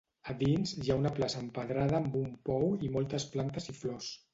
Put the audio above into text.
A dins hi ha una plaça empedrada amb un pou i moltes plantes i flors.